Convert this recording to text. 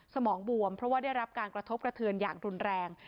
สมองบวมเพราะว่าได้รับการกระทบกระเทือนอย่างรุนแรง